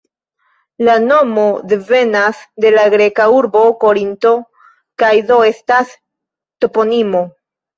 La nomo devenas de la greka urbo Korinto kaj do estas toponimo.